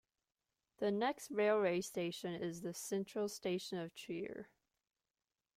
The next railway station is the central station of Trier.